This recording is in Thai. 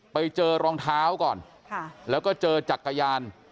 ไปเจอรองเท้าก่อนแล้วก็เจอจักรยาน